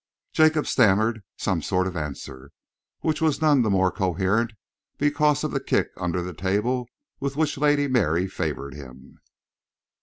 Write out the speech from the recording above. Jacob stammered some sort of answer, which was none the more coherent because of the kick under the table with which Lady Mary favoured him.